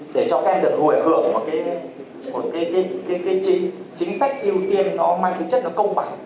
để cho các em được hồi hưởng vào chính sách ưu tiên nó mang tính chất nó công bằng